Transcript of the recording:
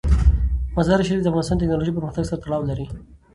مزارشریف د افغانستان د تکنالوژۍ پرمختګ سره تړاو لري.